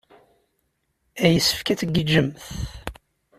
Yessefk ad tgiǧǧemt.